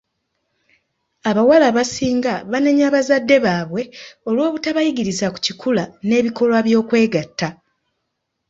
Abawala abasinga banenya bazadde baabwe olw'obutabayigiriza ku kikula n'ebikolwa by'okwegatta.